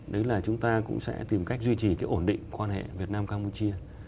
đấy là chúng ta cũng sẽ tìm cách duy trì cái ổn định quan hệ việt nam campuchia